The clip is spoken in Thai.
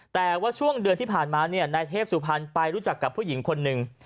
แต่ว่าช่วงเดือนที่ผ่านมาเนี่ยนายเทพสุพรรณไปรู้จักกับผู้หญิงคนหนึ่ง